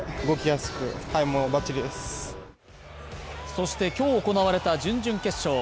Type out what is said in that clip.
そして、今日行われた準々決勝。